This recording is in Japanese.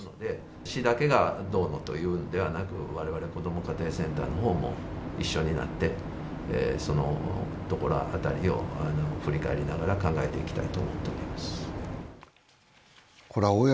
市だけがどうのというのではなく我々子ども家庭センターの方も一緒になってそのところあたりを振り返りながら考えていたきいと思います。